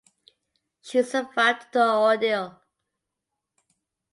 She survived the ordeal.